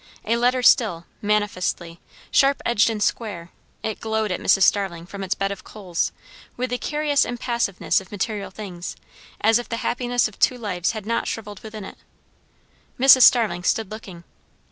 A letter still, manifestly, sharp edged and square; it glowed at Mrs. Starling from its bed of coals, with the curious impassiveness of material things; as if the happiness of two lives had not shrivelled within it. Mrs. Starling stood looking.